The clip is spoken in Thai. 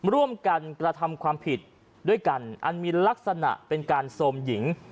ร่วมกันกระทำความผิดด้วยกันอันมีลักษณะเป็นการโทรมหญิง